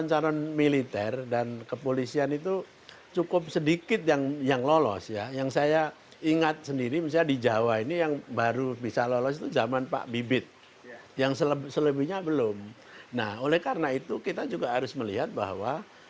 para jenderal aktif cenderung disorongkan dengan terpaksa karena tidak ada kader partai yang layak